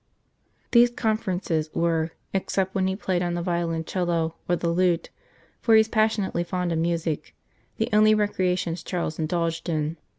These conferences were, except when he played on the violoncello or the lute for he was passion ately fond of music the only recreations Charles indulged in.